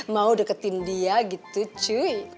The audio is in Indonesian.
mau deketin dia gitu cuy